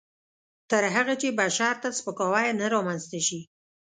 تر هغه چې بشر ته سپکاوی نه رامنځته شي.